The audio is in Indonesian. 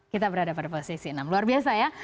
kita berada pada posisi enam luar biasa ya